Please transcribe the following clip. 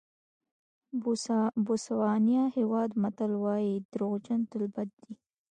بوسوانیا هېواد متل وایي دروغجن تل بد دي.